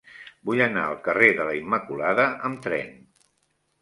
Vull anar al carrer de la Immaculada amb tren.